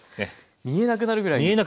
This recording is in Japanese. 見えなくなるぐらい。